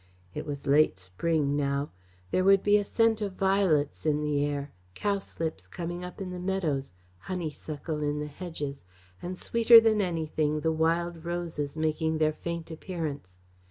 It was late spring now. There would be a scent of violets in the air, cowslips coming up in the meadows, honeysuckle in the hedges, and sweeter than anything, the wild roses making their faint appearance.